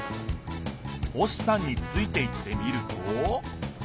星さんについていってみると？